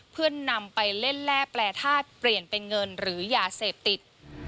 เพื่อนำไปเล่นแร่แปรทาสเปลี่ยนเป็นเงินหรือยาเสพติด